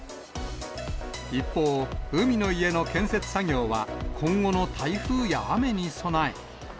一方、海の家の建設作業は、今後の台風や雨に備え。